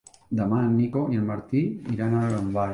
Demà en Nico i en Martí iran a Llombai.